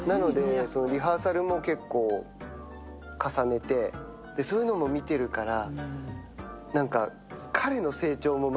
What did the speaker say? リハーサルも結構重ねて、そういうのも見ているから。